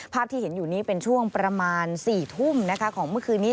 ที่เห็นอยู่นี้เป็นช่วงประมาณ๔ทุ่มนะคะของเมื่อคืนนี้